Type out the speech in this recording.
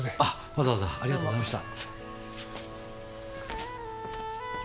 わざわざありがとうございました。